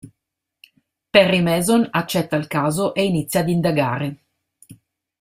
Perry Mason accetta il caso e inizia ad indagare.